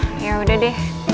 hah yaudah deh